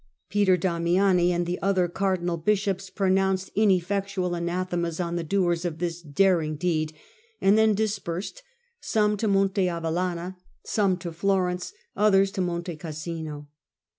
Peter Damiani and the other cardinal bishops pronounced ineffectual anathemas on the doers of this daring deed, and then dispersed, some to Monte Avellana, some to Florence, others to Monte Cassino.